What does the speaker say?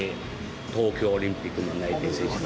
東京オリンピックの内定選手。